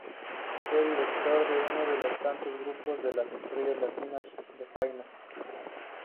Fue director de uno de los tantos grupos de las estrellas latinas de Fania.